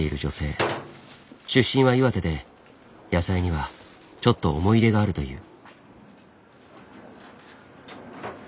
出身は岩手で野菜にはちょっと思い入れがあるという。